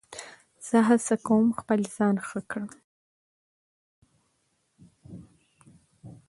زه هڅه کوم خپل ځان ښه کړم.